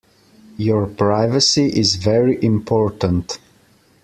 Your privacy is very important.